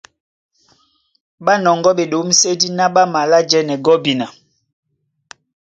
Ɓá nɔŋgɔ́ ɓeɗǒmsédí ná ɓá malá jɛ́nɛ gɔ́bina.